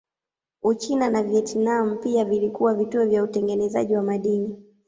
Uchina na Vietnam pia vilikuwa vituo vya utengenezaji wa madini.